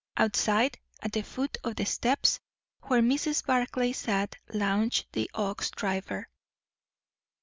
Outside, at the foot of the steps, where Mrs. Barclay sat, lounged the ox driver.